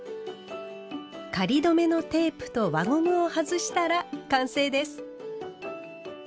仮留めのテープと輪ゴムを外したら完成です。